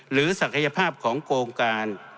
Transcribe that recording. ศักยภาพของโครงการ